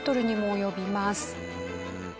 及びます。